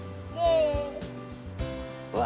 うわ